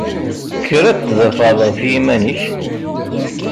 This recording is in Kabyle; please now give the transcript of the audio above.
Kker ad tdafɛeḍ ɣef yiman-ik!